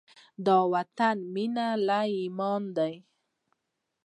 د وطن مینه له ایمانه ده.